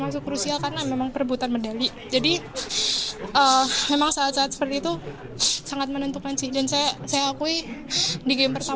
maksudnya dia lebih percaya diri